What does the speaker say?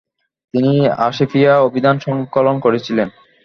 তিনি আসিফিয়া অভিধান সংকলন করেছিলেন।